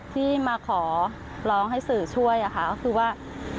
ที่มาขอร้องให้สื่อช่วยค่ะก็คือว่า